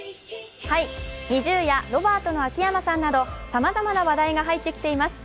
ＮｉｚｉＵやロバートの秋山さんなどさまざまな話題が入ってきています。